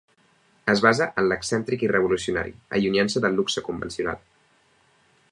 Es basa en l'excèntric i revolucionari, allunyant-se del luxe convencional.